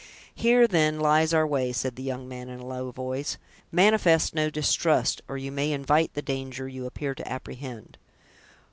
"Here, then, lies our way," said the young man, in a low voice. "Manifest no distrust, or you may invite the danger you appear to apprehend."